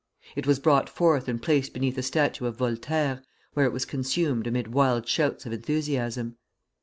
It was brought forth and placed beneath a statue of Voltaire, where it was consumed amid wild shouts of enthusiasm.